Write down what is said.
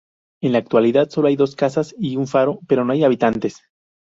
En la actualidad, sólo hay dos casas y un faro, pero no hay habitantes.